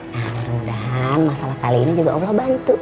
nah mudah mudahan masalah kali ini juga allah bantu